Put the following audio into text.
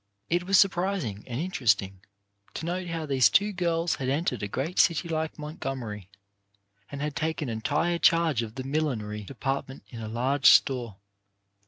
It was surprising and interesting to note how these two girls had entered a great city like Montgomery i9o CHARACTER BUILDING and had taken entire charge of the millinery de partment in a large store.